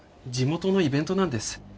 地元のイベントなんです。